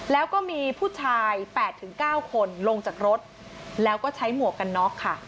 แล้วก็มีผู้ชาย๘๙คนลงจากรถแล้วก็ใช้หมวกกันน็อกค่ะ